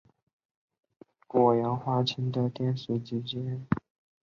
它们在酸性溶液中的电势介于过氧化氢的电势之间。